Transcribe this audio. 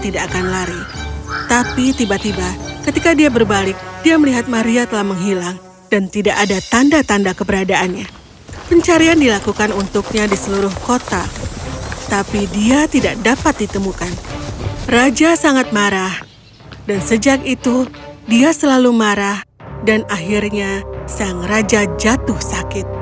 dan akhirnya sang raja jatuh sakit